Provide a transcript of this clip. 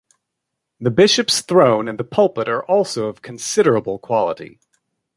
The bishop's throne and the pulpit are also of considerable quality.